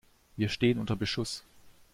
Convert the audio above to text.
Wir stehen unter Beschuss!